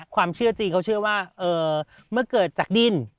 ความเชื่อจีนเขาเชื่อว่าเมื่อเกิดจากดิน